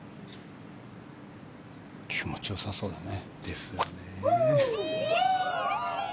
気持ちよさそうだね。